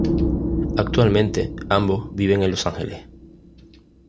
Actualmente, ambos viven en Los Ángeles.